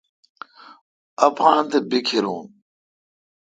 اپان تھ بیکھر رون۔